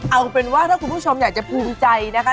เอาเป็นว่าถ้าคุณผู้ชมอยากจะภูมิใจนะคะ